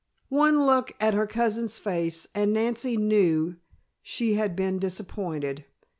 One look at her cousin's face and Nancy knew she had been disappointed.